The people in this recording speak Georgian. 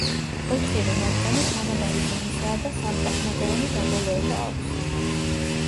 ოთხივე მათგანი თანაბარი ზომისაა და სამწახნაგოვანი დაბოლოება აქვს.